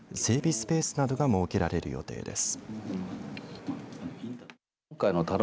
スペースなどが設けられる予定です。